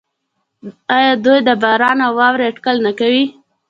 آیا دوی د باران او واورې اټکل نه کوي؟